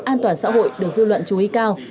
an toàn xã hội được dư luận chú ý cao